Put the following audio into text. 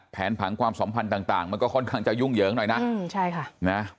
แผนผางความสัมพันธ์ต่างมันก็ค่อนข้างว่าจะยุ่งเหยิงหน่อยนะ